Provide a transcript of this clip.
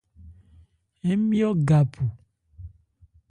Ńmyɔ́ ga phu.